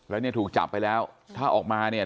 แล้วเนี่ยถูกจับไปแล้วถ้าออกมาเนี่ย